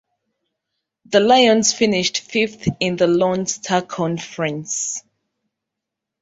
The Lions finished fifth in the Lone Star Conference.